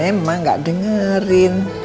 emak gak dengerin